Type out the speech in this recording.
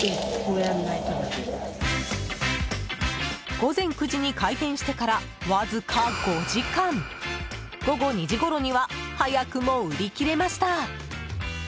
午前９時に開店してからわずか５時間午後２時ごろには早くも売り切れました。